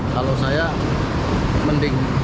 kalau saya mending